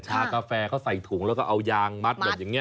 กาแฟเขาใส่ถุงแล้วก็เอายางมัดแบบอย่างนี้